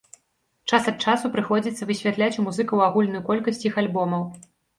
Час ад часу прыходзіцца высвятляць у музыкаў агульную колькасць іх альбомаў.